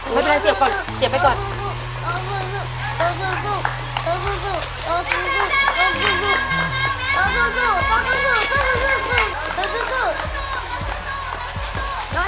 เสียบไปก่อน